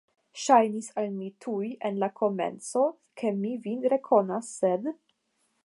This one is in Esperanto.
Ŝajnis al mi tuj en la komenco, ke mi vin rekonas, sed.